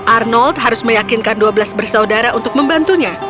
arnold harus meyakinkan dua belas bersaudara untuk membantunya